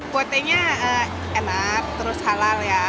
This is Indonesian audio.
kuotie nya enak terus halal ya